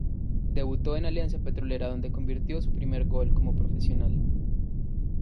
Debutó en Alianza Petrolera donde convirtió su primer gol como profesional.